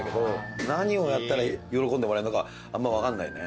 何をやったら喜んでもらえるのかあんま分かんないね。